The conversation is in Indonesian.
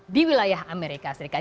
di wilayah amerika serikat